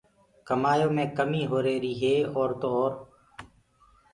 ڪمآيو مي ڪميٚ هُريهريٚ ئي اور تو اور